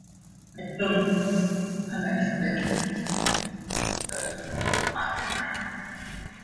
Metal bridges fixed underneath the keys dipped into two reservoirs of mercury.